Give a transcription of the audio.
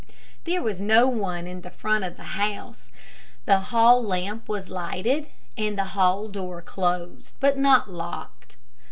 There was no one in the front of the house. The hall lamp was lighted, and the hall door closed, but not locked.